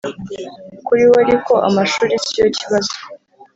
Kuri we ariko amashuri siyo kibazo